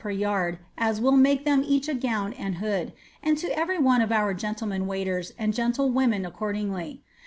per yard, as will make tliem each a gown and hood, and to erery one of our gentle> men waiters and gentlewomen accordingly.